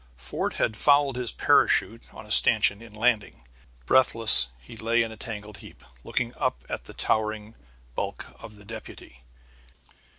Fort had fouled his parachute on a stanchion, in landing. Breathless, he lay in a tangle heap, looking up at the towering bulk of the deputy.